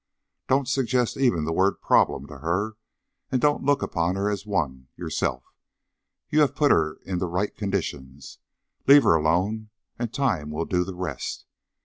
Don't suggest even the word 'problem' to her, and don't look upon her as one, yourself. You have put her in the right conditions. Leave her alone and Time will do the rest.